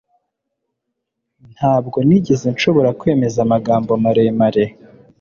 Ntabwo nigeze nshobora kwemeza amagambo maremare